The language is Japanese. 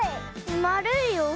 まるいよ。